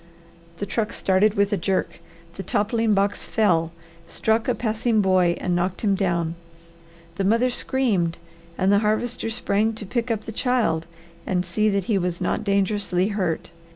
The truck started with a jerk. The toppling box fell, struck a passing boy, and knocked him down. The mother screamed and the Harvester sprang to pick up the child and see that he was not dangerously hurt.